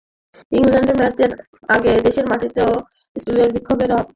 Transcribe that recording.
England ম্যাচের আগে দেশের মাটিতেও অস্ট্রেলিয়ার বিপক্ষে দিশেহারা মনে হয়েছিল প্রোটিয়া বোলারদের।